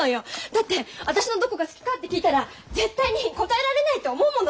だって私のどこが好きかって聞いたら絶対に答えられないと思うもの。